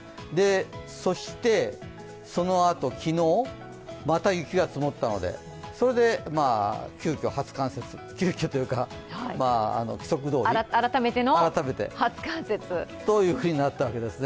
そしてそのあと昨日また雪が積もったので、それで急きょというか、規則どおり改めて、というふうになったわけですね。